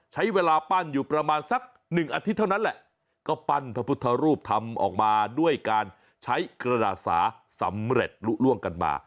ใช้เวลาปั้นอยู่ประมาณสักหนึ่งอาทิตย์เท่านั้นแหละก็ปั้นพระพุทธรูปทำออกมาด้วยการใช้กระดาษสาสำเร็จลุล่วงกันมา